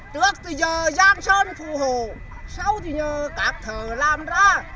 tước từ giờ giang sơn phù hồ sau thì nhờ các thờ làm ra